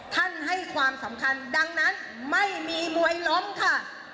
ให้ความสำคัญดังนั้นไม่มีมวยล้มค่ะ